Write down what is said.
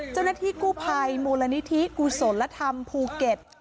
เจ้าหน้าที่กู้ภัยมูลนิธิกุศลธรรมภูเก็ต